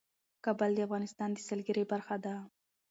کابل د افغانستان د سیلګرۍ برخه ده.